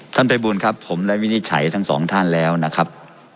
ท่านประบูรณ์ครับผมและวินิจฉัยทั้งสองท่านแล้วนะครับ